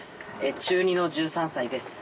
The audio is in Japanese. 中２の１３歳です